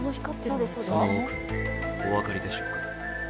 その奥、お分かりでしょうか。